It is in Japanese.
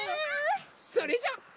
それじゃあ。